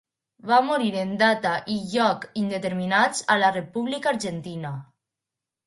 Va morir en data i lloc indeterminats a la República Argentina.